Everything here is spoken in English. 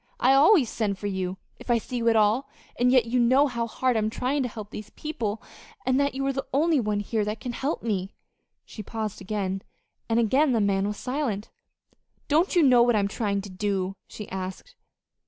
"I always send for you if I see you at all, and yet you know how hard I'm trying to help these people, and that you are the only one here that can help me." She paused again, and again the man was silent. "Don't you know what I'm trying to do?" she asked.